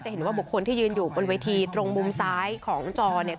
เห็นว่าบุคคลที่ยืนอยู่บนเวทีตรงมุมซ้ายของจอเนี่ย